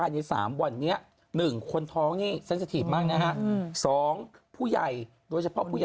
ในฐานะตัวเองต้องไปเจอข้างนอก